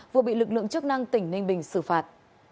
vừa bị lực lượng chức năng tỉnh ninh bình xử phạt